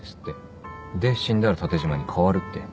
で死んだら縦じまに変わるって。